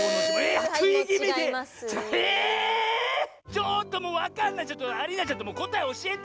ちょっともうわかんないアリーナちゃんこたえおしえて！